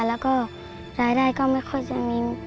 แล้วก็รายได้ก็ไม่ค่อยจะมี